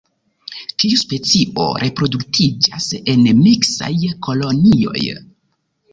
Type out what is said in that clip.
Tiu specio reproduktiĝas en miksaj kolonioj.